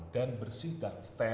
dan bersih dan istimewa